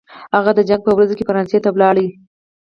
هغه د جنګ په ورځو کې فرانسې ته ولاړ.